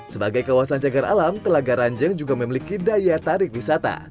sebagai kawasan cagar alam telaga ranjeng juga memiliki daya tarik wisata